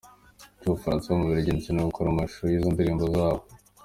cy'Ubufaransa ,mu Bubuligi ndetse no gukora amashusho y'izo ndirimbo zabo.